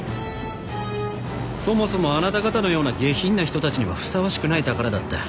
そもそもあなた方のような下品な人たちにはふさわしくない宝だった。